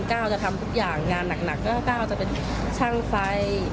ก้าวจะทำทุกอย่างงานหนักก็ก้าวจะเป็นช่างไฟ